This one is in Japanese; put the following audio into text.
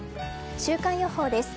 週間予報です。